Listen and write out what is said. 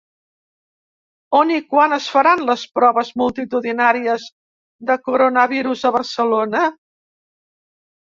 On i quan es faran les proves multitudinàries de coronavirus a Barcelona?